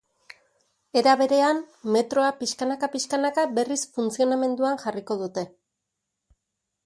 Era berean, metroa pixkanaka-pixkanaka berriz funtzionamenduan jarriko dute.